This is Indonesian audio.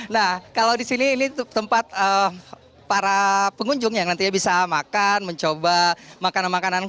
nah kalau di sini ini tempat para pengunjung yang nantinya bisa makan mencoba makanan makanan